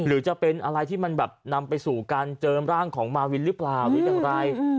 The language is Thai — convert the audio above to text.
หรือจะเป็นอะไรที่มันแบบนำไปสู่การเจอร่างของมาวินหรือเปล่าหรืออย่างไร